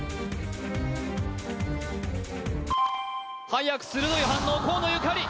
はやく鋭い反応河野ゆかり